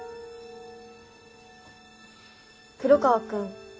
黒川くん